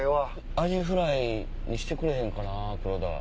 アジフライにしてくれへんかな黒田。